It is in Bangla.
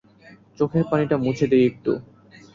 চোখের পানিটা মুছে দিই একটু।